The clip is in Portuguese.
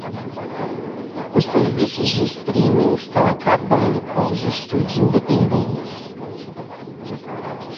Os serviços de streaming estão acabando com os estúdios independentes.